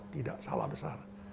tidak salah besar